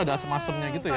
ada asam asamnya gitu ya